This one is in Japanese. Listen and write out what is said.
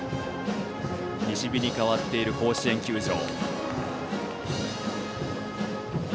西日に変わっている甲子園球場。